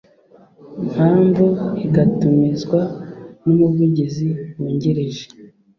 mpamvu igatumizwa n umuvungizi wungirije